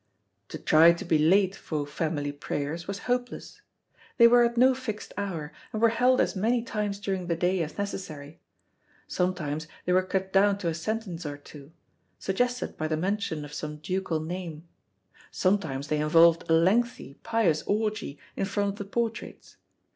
To try to be late for family prayers was hopeless. They were at no fixed hour, and were held as many times during the day as necessary. Sometimes they were cut down to a sentence or two; suggested by the mention of some ducal name; sometimes they involved a lengthy, pious orgie in front of the portraits.